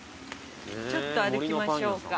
ちょっと歩きましょうか。